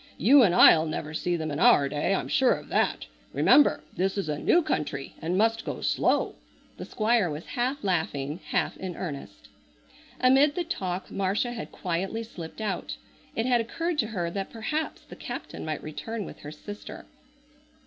You and I'll never see them in our day, I'm sure of that. Remember this is a new country and must go slow." The Squire was half laughing, half in earnest. Amid the talk Marcia had quietly slipped out. It had occurred to her that perhaps the captain might return with her sister.